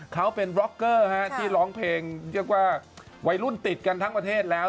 เขาเป็นบล็อกเกอร์ที่ร้องเพลงเรียกว่าวัยรุ่นติดกันทั้งประเทศแล้ว